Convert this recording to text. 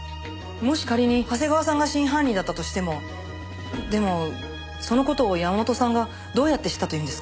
もし仮に長谷川さんが真犯人だったとしてもでもその事を山本さんがどうやって知ったというんですか？